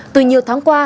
từ nhiều tháng qua